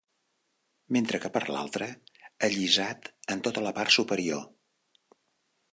Mentre que per l’altra, allisat en tota la part superior.